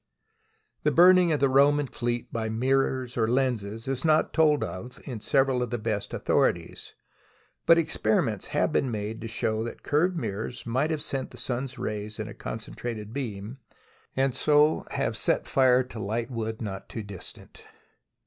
The burning of the Roman fleet by mirrors or lenses is not told of in several of the best authorities, but experiments have been made to show that curved mirrors might have sent the sun's rays in a concentrated beam, and so have set fire to light wood not too distant.